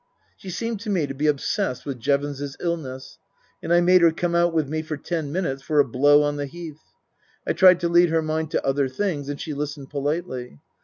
She seemed to me to be obsessed with Jevons's illness, and I made her come out with me for ten minutes for a blow on the Heath. I tried to lead her mind to other things, and she listened politely.